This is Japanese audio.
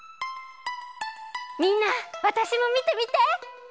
みんなわたしもみてみて！